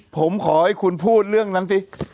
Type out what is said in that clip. ผมขอให้คุณพูดเรื่องนั้นสิ